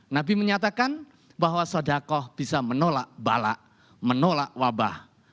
nabi menyatakan bahwa sodakoh bisa menolak balak menolak wabah